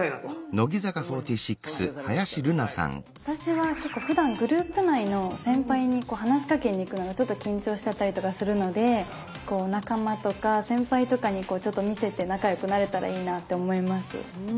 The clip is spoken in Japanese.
私はふだんグループ内の先輩に話しかけにいくのがちょっと緊張しちゃったりとかするので仲間とか先輩とかにちょっと見せて仲良くなれたらいいなと思います。